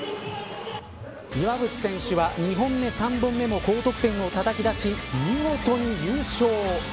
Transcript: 岩渕選手は２本目、３本目も高得点をたたき出し見事に優勝。